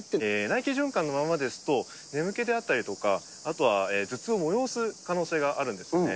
内気循環のままですと、眠気であったりとか、あとは頭痛を催す可能性があるんですね。